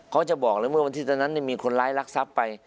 เขาจะบอกเลยเมื่อวันที่ตอนนั้นมีคนร้ายรักทรัพย์ไป